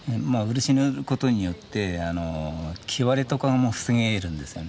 漆塗ることによって木割れとかも防げるんですよね。